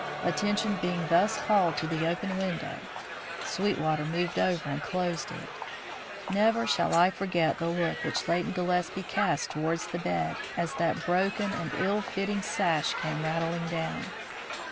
Attention being thus called to the open window, Sweetwater moved over and closed it. Never shall I forget the look which Leighton Gillespie cast towards the bed as that broken and ill fitting sash came rattling down.